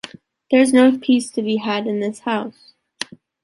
There’s no peace to be had in this house!